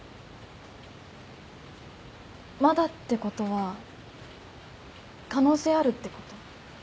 「まだ」ってことは可能性あるってこと？